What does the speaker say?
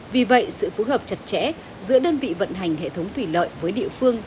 vì vậy sự phù hợp chặt chẽ giữa đơn vị vận hành hệ thống thủy lợi với địa phương